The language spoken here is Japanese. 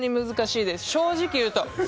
正直言うと。